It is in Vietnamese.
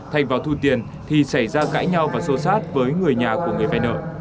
thành vào thu tiền thì xảy ra cãi nhau và xô sát với người nhà của người vay nợ